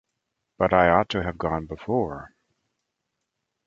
But I ought to have gone before.